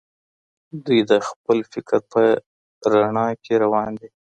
دوی د خپل فکر په رڼا کي روان دي.